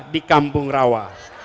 di kampung rawa